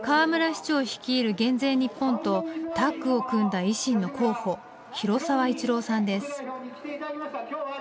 市長率いる減税日本とタッグを組んだ維新の候補広沢一郎さんです。